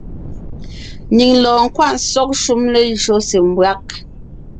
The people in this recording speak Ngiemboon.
Nyìŋ lɔɔn nkwaʼ sɔ́g shúm lejÿó se mbÿág.